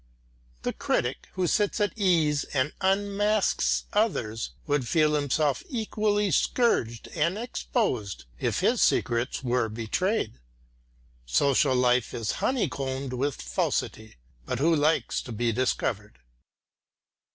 The critic who sits at ease and unmasks others would feel himself equally scourged and exposed if his secrets were betrayed. Social life is honeycombed with falsity, but who likes to be discovered?